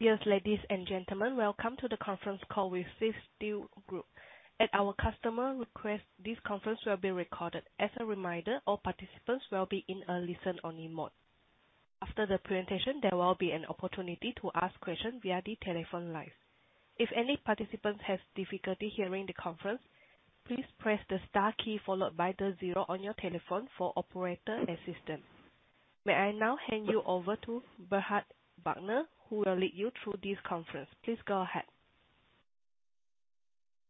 Yes, ladies and gentlemen, welcome to the conference call with Swiss Steel Group. At our customer request, this conference will be recorded. As a reminder, all participants will be in a listen-only mode. After the presentation, there will be an opportunity to ask questions via the telephone line. If any participants have difficulty hearing the conference, please press the star key followed by the zero on your telephone for operator assistance. May I now hand you over to Burkhard Wagner, who will lead you through this conference. Please go ahead.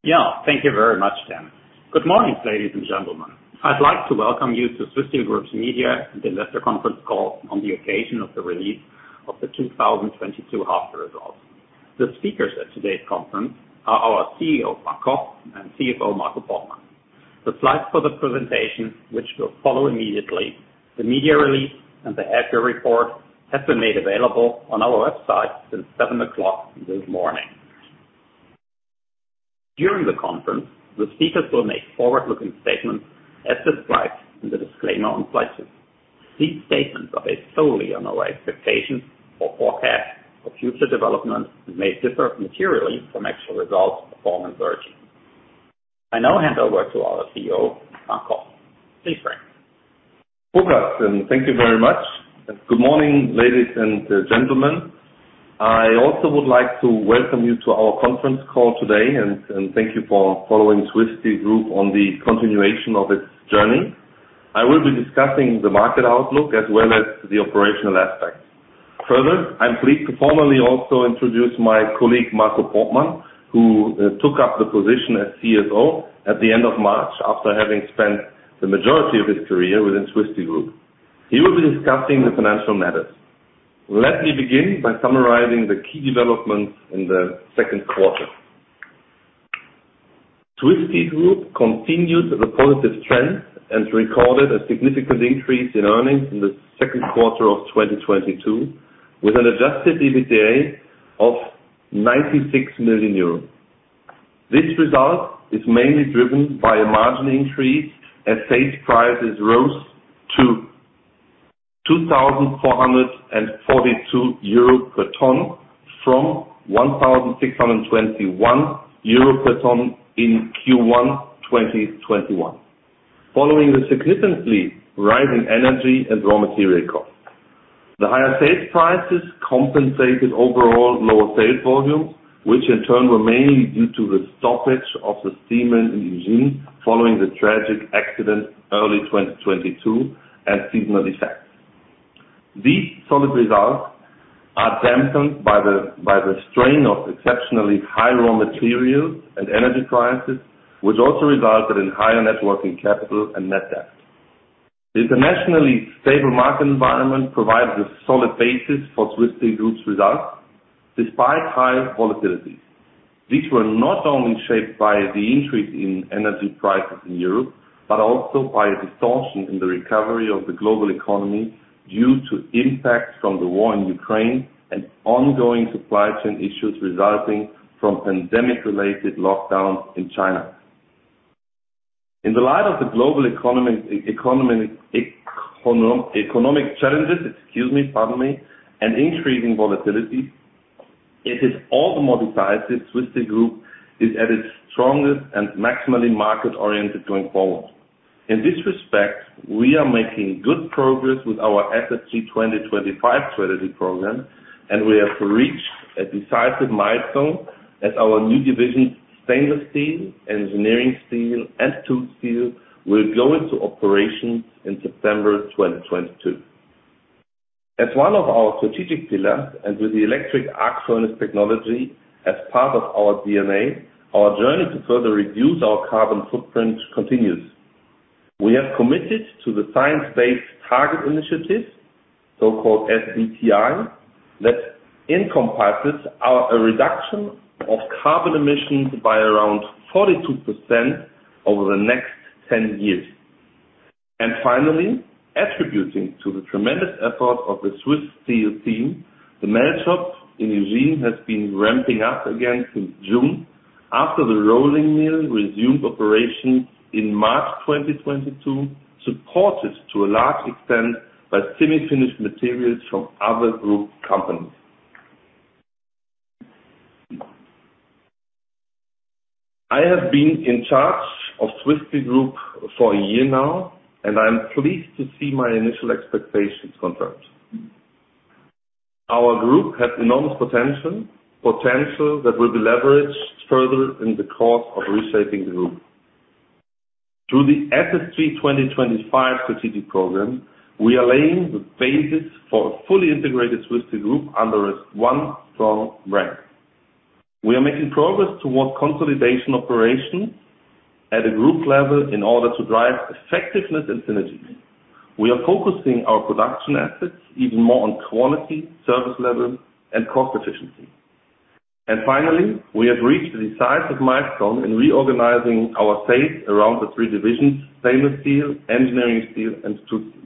Yeah. Thank you very much, Jen. Good morning, ladies and gentlemen. I'd like to welcome you to Swiss Steel Group's media investor conference call on the occasion of the release of the 2022 half results. The speakers at today's conference are our CEO, Frank Koch, and CFO, Marco Portmann. The slides for the presentation, which will follow immediately, the media release, and the H1 report have been made available on our website since 7:00 A.M. this morning. During the conference, the speakers will make forward-looking statements as described in the disclaimer on slide two. These statements are based solely on our expectations or forecasts for future developments and may differ materially from actual results or performance. I now hand over to our CEO, Frank Koch. Please, Frank. Good luck and thank you very much. Good morning, ladies and gentlemen. I also would like to welcome you to our conference call today and thank you for following Swiss Steel Group on the continuation of its journey. I will be discussing the market outlook as well as the operational aspects. Further, I'm pleased to formally also introduce my colleague, Marco Portmann, who took up the position as CFO at the end of March, after having spent the majority of his career within Swiss Steel Group. He will be discussing the financial matters. Let me begin by summarizing the key developments in the second quarter. Swiss Steel Group continued the positive trend and recorded a significant increase in earnings in the second quarter of 2022, with an adjusted EBITDA of 96 million euros. This result is mainly driven by a margin increase as sales prices rose to 2,442 euro per ton, from 1,621 euro per ton in Q1 2021, following the significantly rising energy and raw material costs. The higher sales prices compensated overall lower sales volumes, which in turn were mainly due to the stoppage of the melt shop in Ugine following the tragic accident early 2022 and seasonal effects. These solid results are dampened by the strain of exceptionally high raw material and energy prices, which also resulted in higher net working capital and net debt. The internationally stable market environment provides a solid basis for Swiss Steel Group's results despite high volatility. These were not only shaped by the increase in energy prices in Europe, but also by a distortion in the recovery of the global economy due to impacts from the war in Ukraine and ongoing supply chain issues resulting from pandemic-related lockdowns in China. In the light of the global economic challenges and increasing volatility, it is all the more decisive Swiss Steel Group is at its strongest and maximally market-oriented going forward. In this respect, we are making good progress with our SSG 2025 strategy program, and we have reached a decisive milestone as our new division, stainless steel, engineering steel, and tool steel, will go into operation in September 2022. As one of our strategic pillars, and with the electric arc furnace technology as part of our DNA, our journey to further reduce our carbon footprint continues. We have committed to the Science Based Targets initiative, so-called SBTi, that encompasses our reduction of carbon emissions by around 42% over the next 10 years. Finally, attributing to the tremendous effort of the Swiss Steel team, the melt shop in Ugine has been ramping up again since June after the rolling mill resumed operation in March 2022, supported to a large extent by semi-finished materials from other group companies. I have been in charge of Swiss Steel Group for a year now, and I'm pleased to see my initial expectations confirmed. Our group has enormous potential that will be leveraged further in the course of reshaping the group. Through the SSG 2025 strategic program, we are laying the basis for a fully integrated Swiss Steel Group under a single strong brand. We are making progress towards consolidation operations at a group level in order to drive effectiveness and synergies. We are focusing our production assets even more on quality, service level, and cost efficiency. Finally, we have reached the decisive milestone in reorganizing our sales around the three divisions, stainless steel, engineering steel, and tool steel.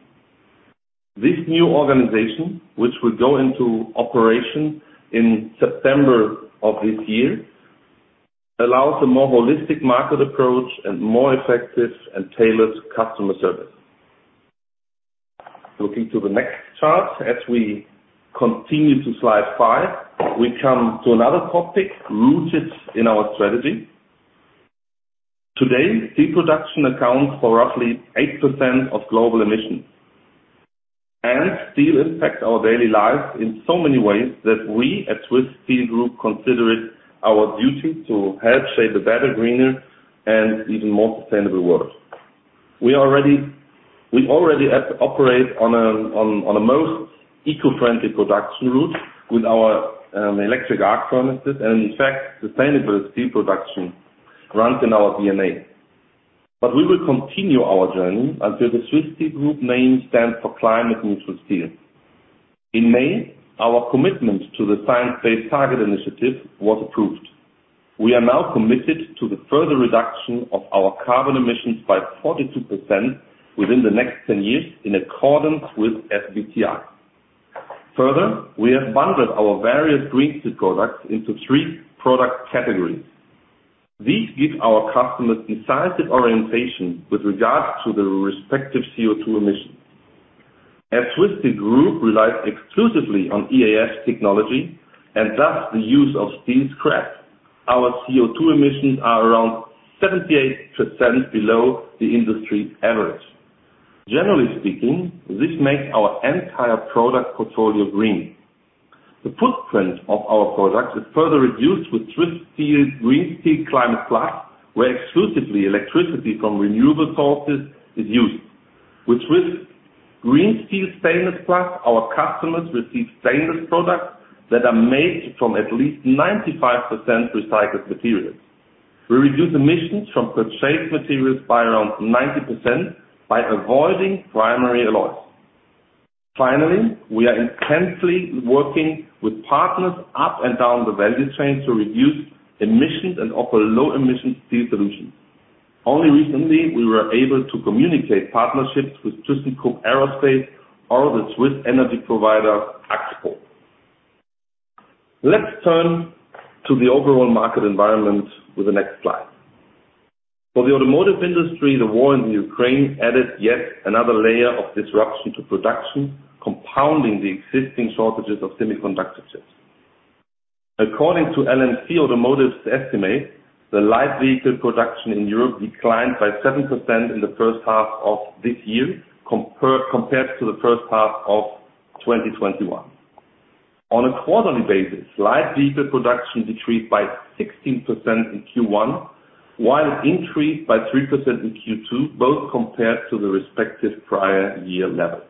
This new organization, which will go into operation in September of this year, allows a more holistic market approach and more effective and tailored customer service. Looking to the next chart. As we continue to slide five, we come to another topic rooted in our strategy. Today, steel production accounts for roughly 8% of global emissions. Steel impacts our daily lives in so many ways that we at Swiss Steel Group consider it our duty to help shape a better, greener, and even more sustainable world. We already have to operate on a most eco-friendly production route with our electric arc furnaces, and in fact, sustainable steel production runs in our DNA. We will continue our journey until the Swiss Steel Group name stands for climate neutral steel. In May, our commitment to the Science Based Targets initiative was approved. We are now committed to the further reduction of our carbon emissions by 42% within the next 10 years in accordance with SBTi. Further, we have bundled our various green steel products into three product categories. These give our customers decisive orientation with regards to the respective CO₂ emissions. As Swiss Steel Group relies exclusively on EAF technology, and thus the use of steel scrap, our CO₂ emissions are around 78% below the industry average. Generally speaking, this makes our entire product portfolio green. The footprint of our products is further reduced with Green Steel Climate+, where exclusively electricity from renewable sources is used. With Green Steel Stainless+, our customers receive stainless products that are made from at least 95% recycled materials. We reduce emissions from purchased materials by around 90% by avoiding primary alloys. Finally, we are intensely working with partners up and down the value chain to reduce emissions and offer low emission steel solutions. Only recently, we were able to communicate partnerships with Thyssenkrupp Aerospace or the Swiss energy provider, Axpo. Let's turn to the overall market environment with the next slide. For the automotive industry, the war in Ukraine added yet another layer of disruption to production, compounding the existing shortages of semiconductor chips. According to LMC Automotive's estimate, the light vehicle production in Europe declined by 7% in the first half of this year compared to the first half of 2021. On a quarterly basis, light vehicle production decreased by 16% in Q1, while it increased by 3% in Q2, both compared to the respective prior year level.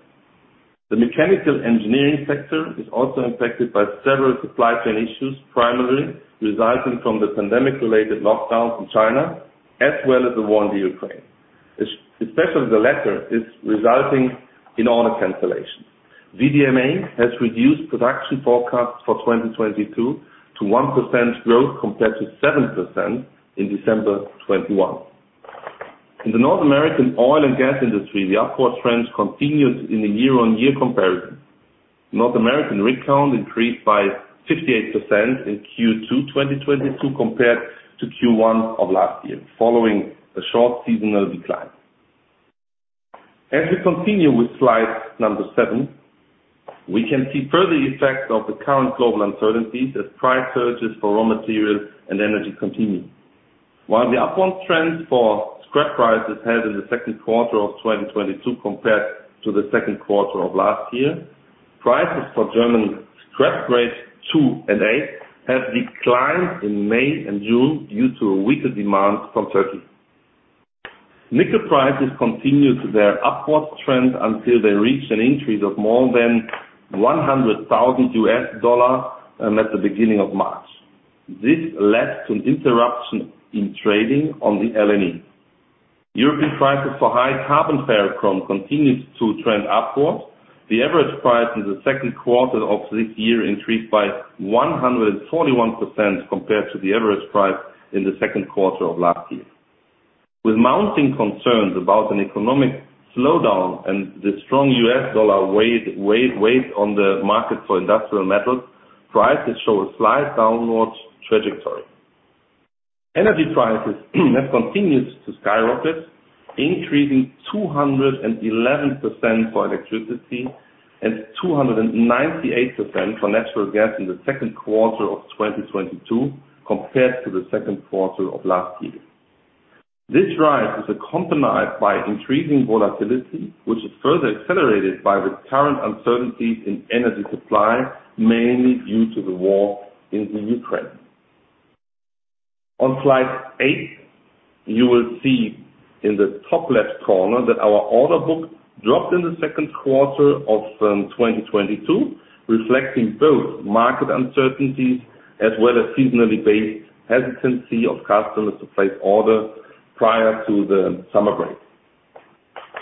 The mechanical engineering sector is also impacted by several supply chain issues, primarily resulting from the pandemic-related lockdowns in China, as well as the war in Ukraine. Especially the latter is resulting in order cancellations. VDMA has reduced production forecasts for 2022 to 1% growth compared to 7% in December 2021. In the North American oil and gas industry, the upward trends continued in the year-on-year comparison. North American rig count increased by 58% in Q2 2022 compared to Q1 of last year, following a short seasonal decline. As we continue with slide seven, we can see further effects of the current global uncertainties as price surges for raw materials and energy continue. While the upward trends for scrap prices held in the second quarter of 2022 compared to the second quarter of last year, prices for German scrap grades two and eight have declined in May and June due to a weaker demand from Turkey. Nickel prices continued their upward trend until they reached an increase of more than $100,000 at the beginning of March. This led to an interruption in trading on the LME. European prices for High Carbon Ferrochrome continued to trend upwards. The average price in the second quarter of this year increased by 141% compared to the average price in the second quarter of last year. With mounting concerns about an economic slowdown and the strong US dollar weight on the market for industrial metals, prices show a slight downwards trajectory. Energy prices have continued to skyrocket, increasing 211% for electricity and 298% for natural gas in the second quarter of 2022 compared to the second quarter of last year. This rise is accompanied by increasing volatility, which is further accelerated by the current uncertainties in energy supply, mainly due to the war in Ukraine. On Slide eight, you will see in the top left corner that our order book dropped in the second quarter of 2022, reflecting both market uncertainties as well as seasonally based hesitancy of customers to place orders prior to the summer break.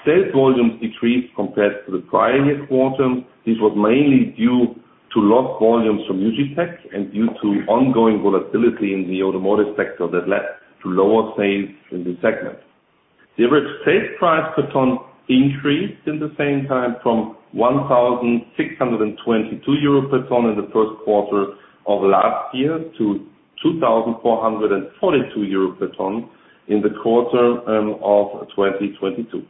Sales volumes decreased compared to the prior year quarter. This was mainly due to lost volumes from Nucetech and due to ongoing volatility in the automotive sector that led to lower sales in the segment. The average sales price per ton increased in the same time from 1,622 euro per ton in the first quarter of last year to 2,442 euro per ton in the quarter of 2022.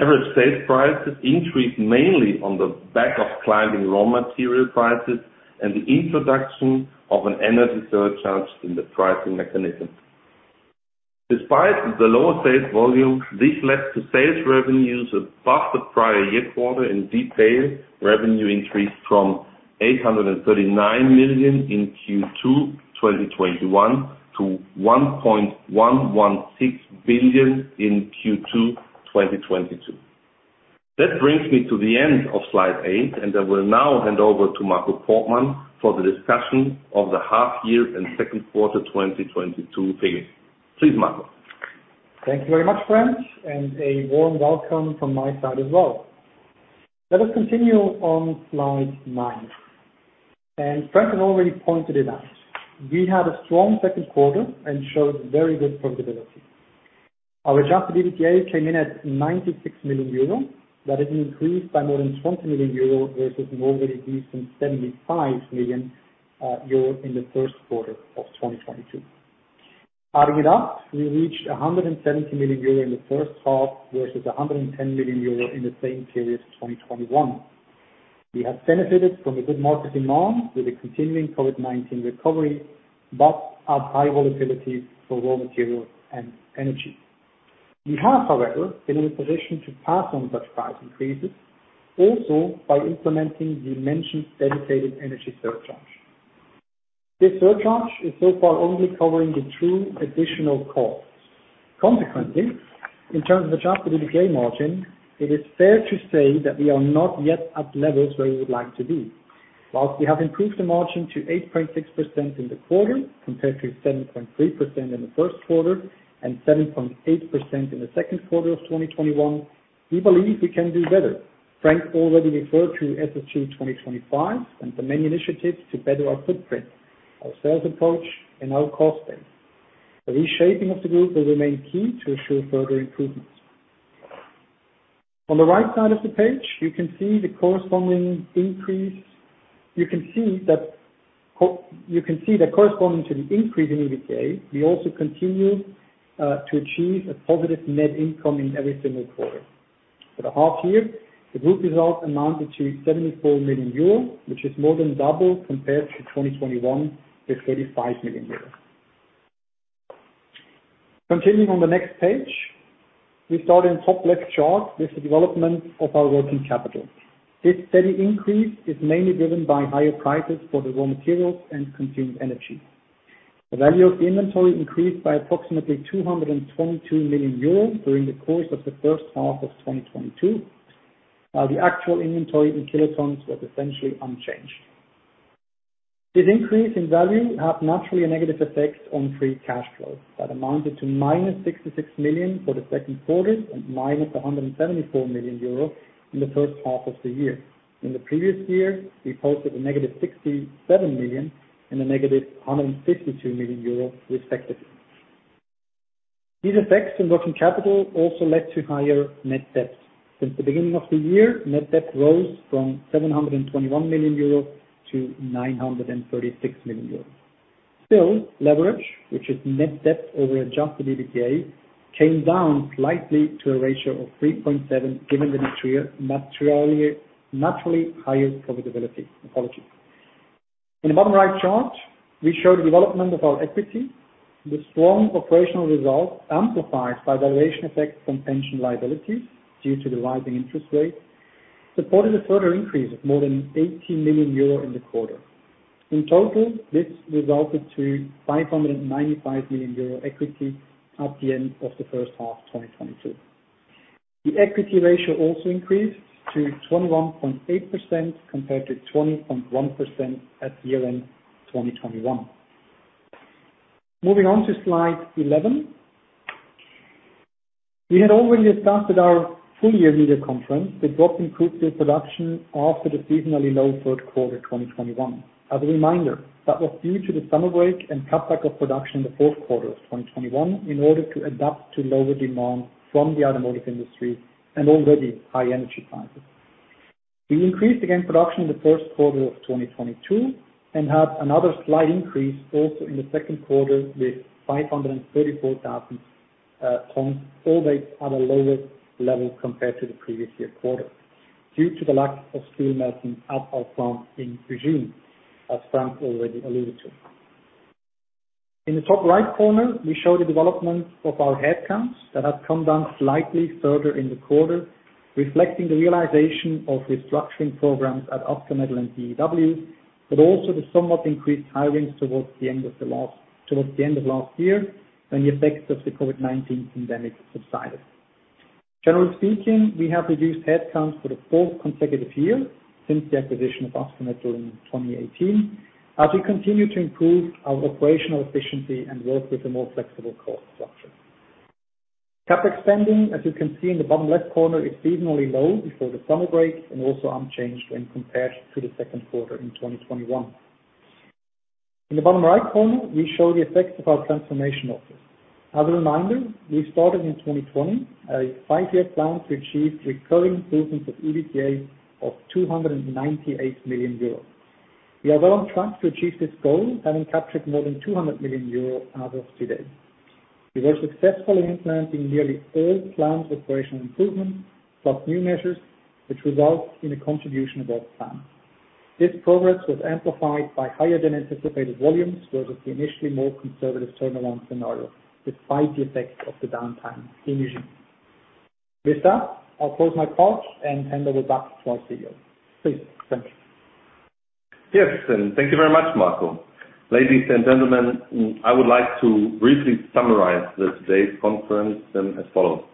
Average sales prices increased mainly on the back of climbing raw material prices and the introduction of an energy surcharge in the pricing mechanism. Despite the lower sales volume, this led to sales revenues above the prior year quarter. In detail, revenue increased from 839 million in Q2 2021 to 1.116 billion in Q2 2022. That brings me to the end of slide eight, and I will now hand over to Marco Portmann for the discussion of the half year and second quarter 2022 period. Please, Michael. Thank you very much, Frank, and a warm welcome from my side as well. Let us continue on slide nine. Frank already pointed it out. We had a strong second quarter and showed very good profitability. Our adjusted EBITDA came in at 96 million euro. That is increased by more than 20 million euro versus an already decent 75 million euro in the first quarter of 2022. Adding it up, we reached 170 million euro in the first half, versus 110 million euro in the same period of 2021. We have benefited from the good market demand with the continuing COVID-19 recovery, but have high volatility for raw material and energy. We have, however, been in a position to pass on such price increases, also by implementing the mentioned dedicated energy surcharge. This surcharge is so far only covering the true additional costs. Consequently, in terms of adjusted EBITDA margin, it is fair to say that we are not yet at levels where we would like to be. While we have improved the margin to 8.6% in the quarter, compared to 7.3% in the first quarter and 7.8% in the second quarter of 2021, we believe we can do better. Frank already referred to SSG 2025 and the many initiatives to better our footprint, our sales approach, and our cost base. The reshaping of the group will remain key to ensure further improvements. On the right side of the page, you can see the corresponding increase. You can see that corresponding to the increase in EBITDA, we also continue to achieve a positive net income in every single quarter. For the half year, the group results amounted to 74 million euro, which is more than double compared to 2021 with 35 million euro. Continuing on the next page, we start in top left chart with the development of our working capital. This steady increase is mainly driven by higher prices for the raw materials and consumed energy. The value of the inventory increased by approximately 222 million euros during the course of the first half of 2022. The actual inventory in kilotons was essentially unchanged. This increase in value have naturally a negative effect on free cash flow that amounted to -66 million for the second quarter and -174 million euro in the first half of the year. In the previous year, we posted a -67 million and a -152 million euro respectively. These effects in working capital also led to higher net debt. Since the beginning of the year, net debt rose from 721 million euros to 936 million euros. Still, leverage, which is net debt over adjusted EBITDA, came down slightly to a ratio of 3.7, given the materially, naturally higher profitability. Apologies. In the bottom right chart, we show the development of our equity. The strong operational results amplified by valuation effects from pension liabilities due to the rising interest rate supported a further increase of more than 80 million euro in the quarter. In total, this resulted to 595 million euro equity at the end of the first half, 2022. The equity ratio also increased to 21.8%, compared to 20.1% at year-end 2021. Moving on to slide 11. We had already started our full-year media conference with drop in crude steel production after the seasonally low third quarter, 2021. As a reminder, that was due to the summer break and cutback of production in the fourth quarter of 2021 in order to adapt to lower demand from the automotive industry and already high energy prices. We increased again production in the first quarter of 2022 and had another slight increase also in the second quarter with 534,000 tons, always at a lower level compared to the previous year quarter due to the lack of steel melting at our plant in Ugine, as Frank already alluded to. In the top right corner, we show the development of our headcounts that have come down slightly further in the quarter, reflecting the realization of restructuring programs at Ascometal and DEW, but also the somewhat increased hirings towards the end of last year, when the effects of the COVID-19 pandemic subsided. Generally speaking, we have reduced headcounts for the fourth consecutive year since the acquisition of Ascometal in 2018, as we continue to improve our operational efficiency and work with a more flexible cost structure. CapEx spending, as you can see in the bottom left corner, is seasonally low before the summer break and also unchanged when compared to the second quarter in 2021. In the bottom right corner, we show the effects of our transformation office. As a reminder, we started in 2020 a five-year plan to achieve recurring improvements of EBITDA of 298 million euros. We are well on track to achieve this goal, having captured more than 200 million euros to date. We were successfully implementing nearly all planned operational improvements, plus new measures which result in a contribution above plan. This progress was amplified by higher than anticipated volumes, whereas we'd initially more conservative turnaround scenario despite the effects of the downtime in Ugine. With that, I'll close my thoughts and hand it back over to our CEO. Please. Thank you. Yes, thank you very much, Marco. Ladies and gentlemen, I would like to briefly summarize this day's conference then as follows.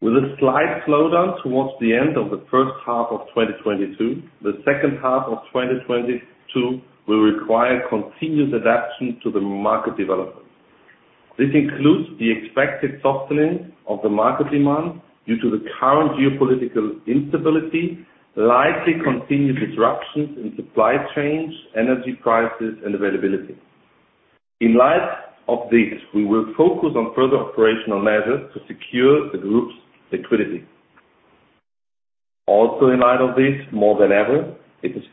With a slight slowdown towards the end of the first half of 2022, the second half of 2022 will require continuous adaptation to the market development. This includes the expected softening of the market demand due to the current geopolitical instability, likely continued disruptions in supply chains, energy prices and availability. In light of this, we will focus on further operational measures to secure the group's liquidity. Also, in light of this, more than ever, it is imperative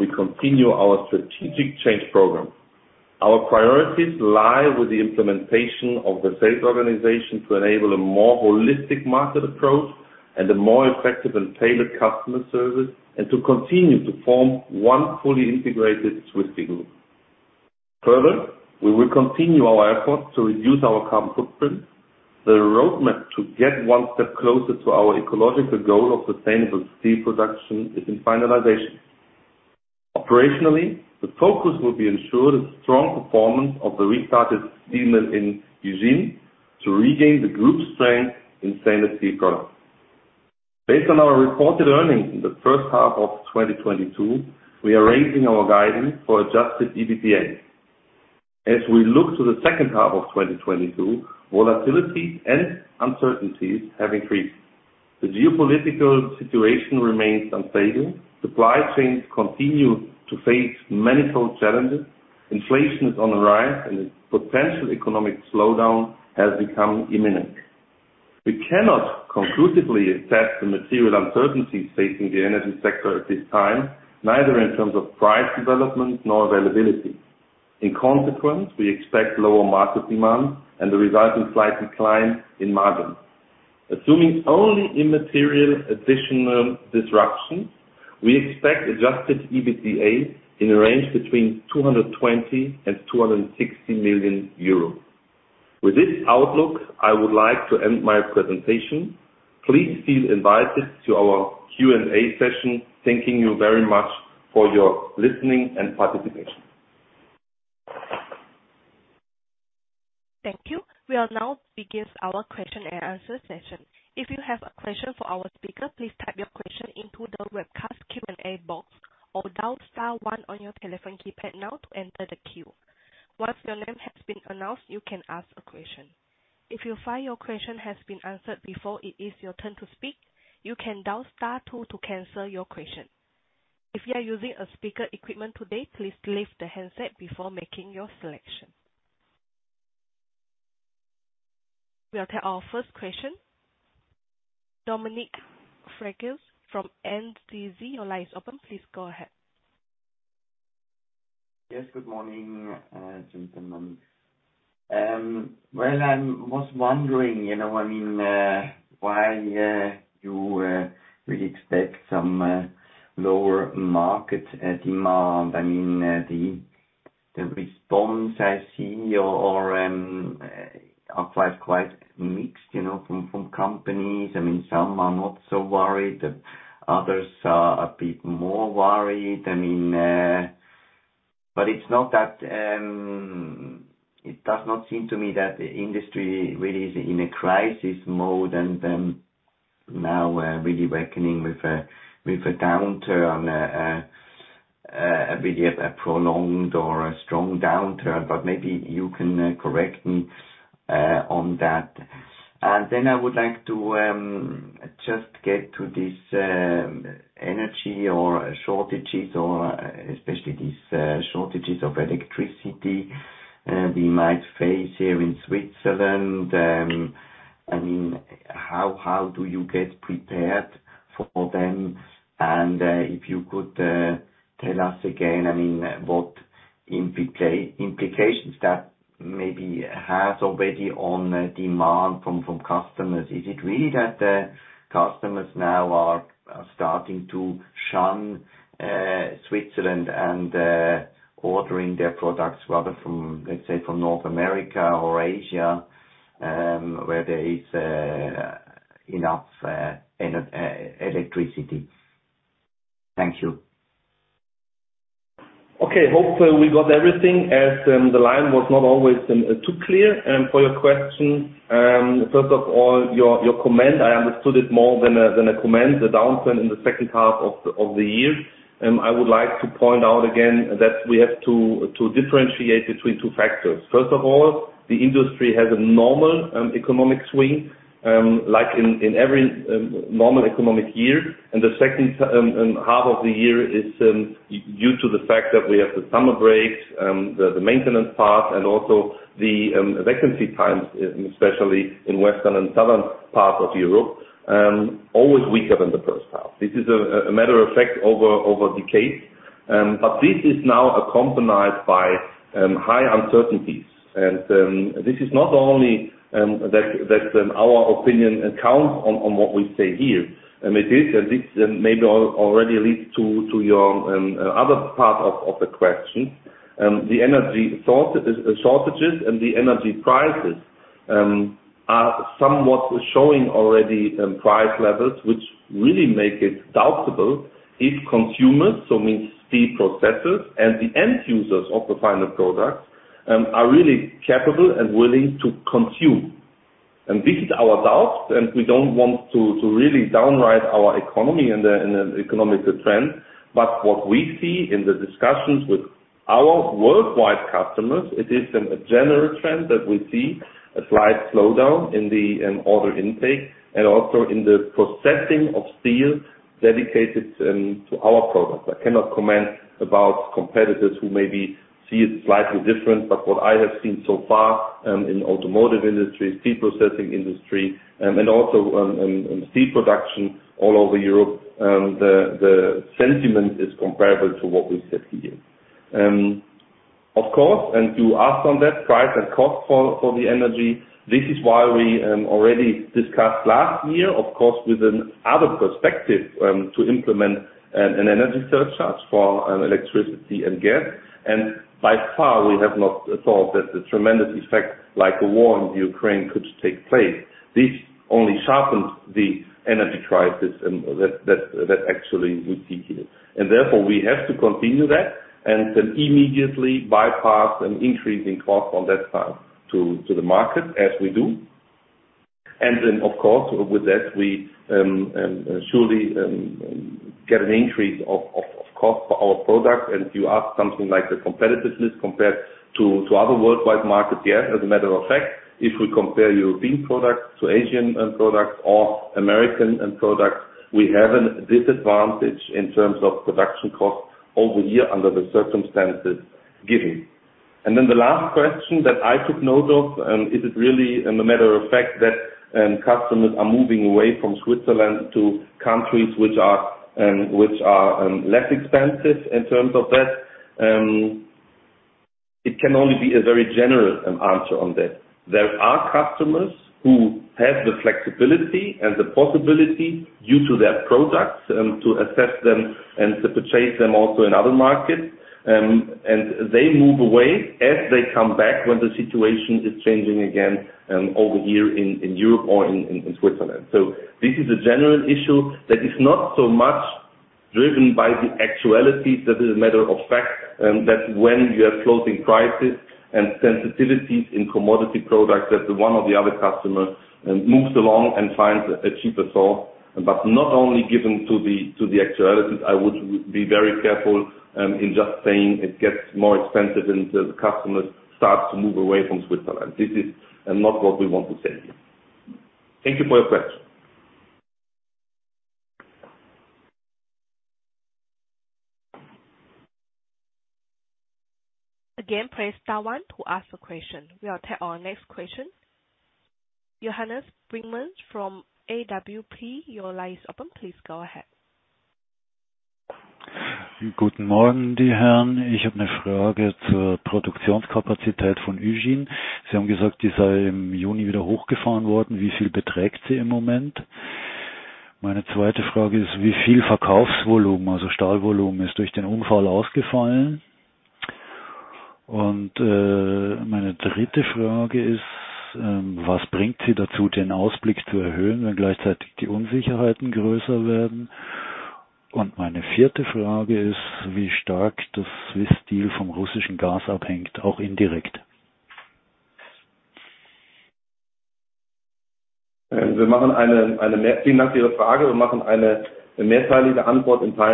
we continue our strategic change program. Our priorities lie with the implementation of the sales organization to enable a more holistic market approach and a more effective and tailored customer service, and to continue to form one fully integrated Swiss Steel Group. Further, we will continue our efforts to reduce our carbon footprint. The roadmap to get one step closer to our ecological goal of sustainable steel production is in finalization. Operationally, the focus will be on ensuring a strong performance of the restarted steel mill in Ugine to regain the group's strength in stainless steel products. Based on our reported earnings in the first half of 2022, we are raising our guidance for adjusted EBITDA. As we look to the second half of 2022, volatility and uncertainties have increased. The geopolitical situation remains unstable. Supply chains continue to face manifold challenges. Inflation is on the rise and potential economic slowdown has become imminent. We cannot conclusively assess the material uncertainties facing the energy sector at this time, neither in terms of price development nor availability. In consequence, we expect lower market demand and the resulting slight decline in margins. Assuming only immaterial additional disruptions, we expect adjusted EBITDA in a range between 220 million and 260 million euros. With this outlook, I would like to end my presentation. Please feel invited to our Q&A session, thanking you very much for your listening and participation. Thank you. We now begin our question-and-answer session. If you have a question for our speaker, please type your question into the webcast Q&A box or dial star one on your telephone keypad now to enter the queue. Once your name has been announced, you can ask a question. If you find your question has been answered before it is your turn to speak, you can dial star two to cancel your question. If you are using a speakerphone today, please leave the handset before making your selection. We have our first question. Dominik Feldges from NZZ. Your line is open. Please go ahead. Yes, good morning, gentlemen. Well, I was wondering, you know, I mean, why you really expect some lower market demand. I mean, the responses I see are quite mixed, you know, from companies. I mean, some are not so worried and others are a bit more worried. I mean, but it's not that it does not seem to me that the industry really is in a crisis mode and now really reckoning with a downturn, a bit of a prolonged or a strong downturn, but maybe you can correct me on that. Then I would like to just get to this energy shortages or especially these shortages of electricity we might face here in Switzerland. I mean, how do you get prepared for them? If you could tell us again, I mean, what implications that maybe has already on demand from customers. Is it really that customers now are starting to shun Switzerland and ordering their products rather from, let's say, from North America or Asia, where there is enough electricity? Thank you. Okay. I hope we got everything as the line was not always too clear for your question. First of all, your comment. I understood it more than a comment, the downturn in the second half of the year. I would like to point out again that we have to differentiate between two factors. First of all, the industry has a normal economic swing like in every normal economic year. The second half of the year is due to the fact that we have the summer breaks, the maintenance part and also the vacancy times, especially in western and southern part of Europe, always weaker than the first half. This is a matter of fact over decades. This is now accompanied by high uncertainties. This is not only that our opinion counts on what we say here. It is, and this maybe already leads to your other part of the question. The energy shortages and the energy prices are somewhat showing already price levels, which really make it doubtful if consumers, so means the processors and the end users of the final products, are really capable and willing to consume. This is our doubt, and we don't want to really downgrade our economy in the economic trend. What we see in the discussions with our worldwide customers, it is a general trend that we see a slight slowdown in the order intake and also in the processing of steel dedicated to our products. I cannot comment about competitors who maybe see it slightly different. What I have seen so far in automotive industry, steel processing industry, and also in steel production all over Europe, the sentiment is comparable to what we said here. Of course, you asked about the prices and costs for the energy. This is why we already discussed last year, of course with another perspective, to implement an energy surcharge for electricity and gas. By far, we have not thought that the tremendous effect like a war in Ukraine could take place. This only sharpens the energy crisis and that actually we see here. Therefore, we have to continue that and then immediately pass an increase in cost on that side to the market as we do. Of course, with that, we surely get an increase of cost for our products. If you ask something like the competitiveness compared to other worldwide markets, yes, as a matter of fact, if we compare European products to Asian products or American products, we have a disadvantage in terms of production costs over here under the circumstances given. The last question that I took note of is it really a matter of fact that customers are moving away from Switzerland to countries which are less expensive in terms of that? It can only be a very general answer on that. There are customers who have the flexibility and the possibility due to their products to assess them and to purchase them also in other markets. They move away as they come back when the situation is changing again over here in Switzerland. This is a general issue that is not so much driven by the actualities. That is a matter of fact that when you have closing prices and sensitivities in commodity products, that one or the other customer moves along and finds a cheaper source. Not only given to the actualities, I would be very careful in just saying it gets more expensive and the customers start to move away from Switzerland. This is not what we want to say here. Thank you for your question. Again, press star one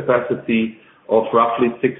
to ask a question. We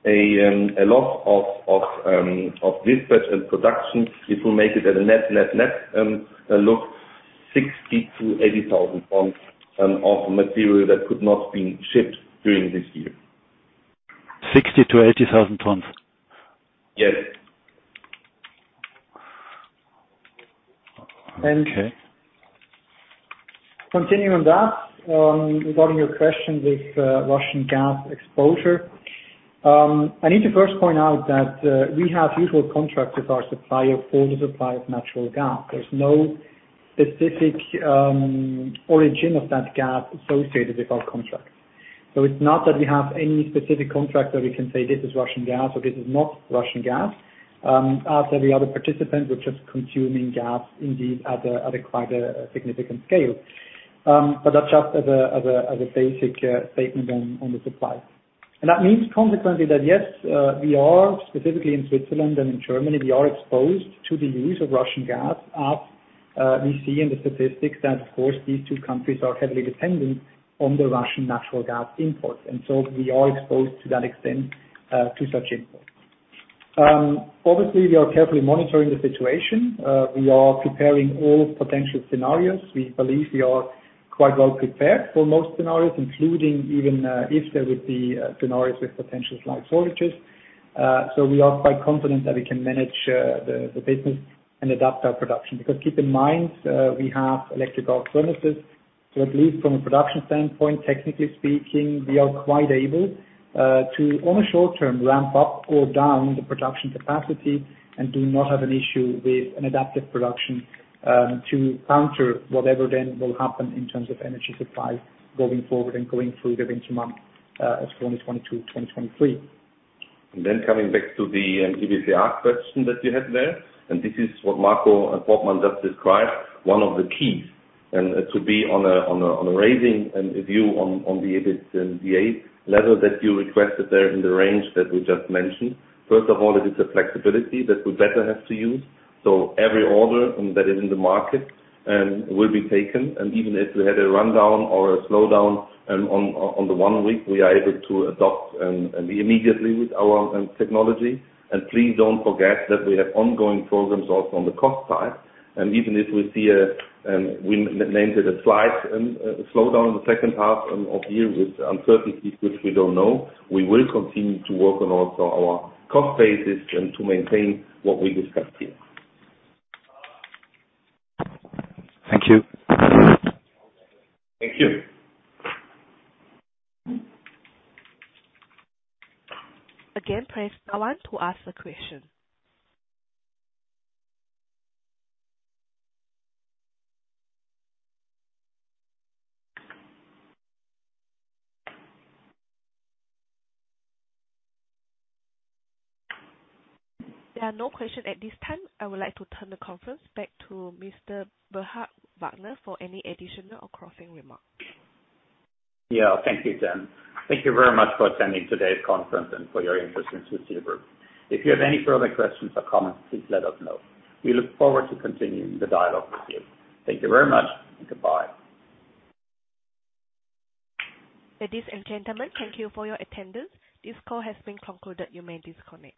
will take our next question. Johannes Bringmann from Awp, your line is open. Please go ahead. Good morning. Continuing that, regarding your question with Russian gas exposure, I need to first point out that we have usual contracts with our supplier for the supply of natural gas. There's no specific origin of that gas associated with our contracts. So it's not that we have any specific contract that we can say, this is Russian gas or this is not Russian gas. As every other participant, we're just consuming gas indeed at a quite significant scale. But that's just as a basic statement on the supply. That means consequently that, yes, we are specifically in Switzerland and in Germany, we are exposed to the use of Russian gas as we see in the statistics that of course these two countries are heavily dependent on the Russian natural gas imports. We are exposed to that extent to such imports. Obviously we are carefully monitoring the situation. We are preparing all potential scenarios. We believe we are quite well prepared for most scenarios, including even if there would be scenarios with potential slight shortages. We are quite confident that we can manage the business and adapt our production. Because keep in mind, we have electrical furnaces, so at least from a production standpoint, technically speaking, we are quite able to, on a short term, ramp up or down the production capacity and do not have an issue with an adaptive production to counter whatever then will happen in terms of energy supply going forward and going through the winter months of 2022, 2023. Coming back to the EBITDA question that you had there, and this is what Marco Portmann just described, one of the keys, and to be on a positive view on the EBITDA level that you requested there in the range that we just mentioned. First of all, it is a flexibility that we better have to use. Every order that is in the market will be taken. Even if we had a rundown or a slowdown in one week, we are able to adapt immediately with our technology. Please don't forget that we have ongoing programs also on the cost side. Even if we see what we named a slight slowdown in the second half of the year with uncertainties which we don't know, we will continue to work on also our cost basis and to maintain what we discussed here. Thank you. Thank you. Again, press star one to ask a question. There are no question at this time. I would like to turn the conference back to Mr. Burkhard Wagner for any additional or closing remarks. Yeah. Thank you, Jen. Thank you very much for attending today's conference and for your interest in Swiss Steel Group. If you have any further questions or comments, please let us know. We look forward to continuing the dialogue with you. Thank you very much. Goodbye. Ladies and gentlemen, thank you for your attendance. This call has been concluded. You may disconnect.